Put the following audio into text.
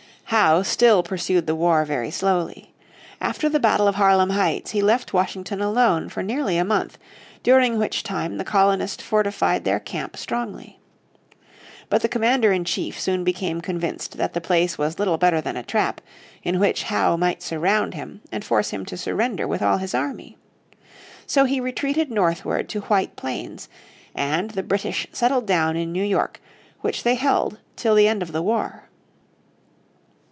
Howe still pursued the war very slowly. After the battle of Harlem Heights he left Washington along for nearly a month, during which time the colonist fortified their camp strongly. But the commander in chief soon became convinced that the place was little better than a trap, in which Howe might surround him, and force him to surrender with all his army. So he retreated northward to White Plains, and the British settled down in New York, which they held till the end of the war.